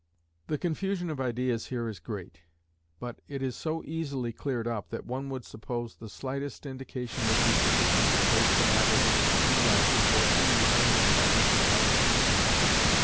The confusion of ideas here is great, but it is so easily cleared up that one would suppose the slightest indication would be sufficient to place the matter in its true light before any mind of average intelligence.